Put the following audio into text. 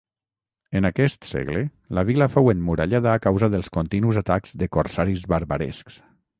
En aquest segle, la vila fou emmurallada a causa dels continus atacs de corsaris barbarescs.